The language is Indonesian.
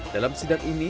dalam sidang ini